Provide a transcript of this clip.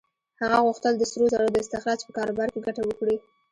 هغه غوښتل د سرو زرو د استخراج په کاروبار کې ګټه وکړي.